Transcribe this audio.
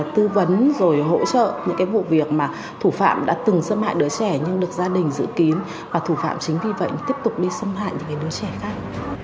tư vấn rồi hỗ trợ những vụ việc mà thủ phạm đã từng xâm hại đứa trẻ nhưng được gia đình giữ kín và thủ phạm chính vì vậy tiếp tục đi xâm hại những đứa trẻ khác